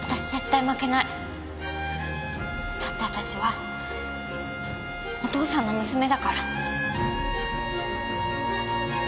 だって私はお父さんの娘だから。